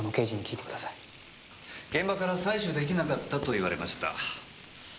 現場から採取出来なかったと言われました。